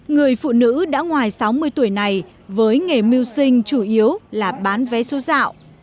người phụ nữ đã ngoài sáu mươi tuổi này với nghề mưu sinh chủ yếu là bán vé số dạo